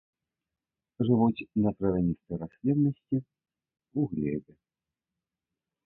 Жывуць на травяністай расліннасці, у глебе.